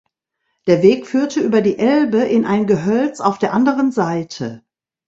Der Weg führte über die Elbe in ein Gehölz auf der anderen Seite.